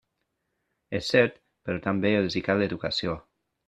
És cert, però també els hi cal educació.